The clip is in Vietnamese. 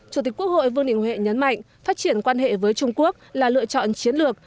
chủ tịch quốc hội vương đình huệ nhấn mạnh phát triển quan hệ với trung quốc là lựa chọn chiến lược